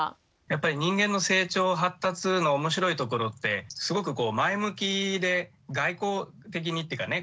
やっぱり人間の成長発達の面白いところってすごくこう前向きで外交的にっていうかね